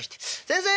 「先生！